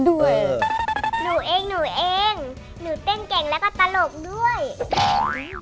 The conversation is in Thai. หนูเองหนูเต้นแก่งแล้วก็ตลกด้วย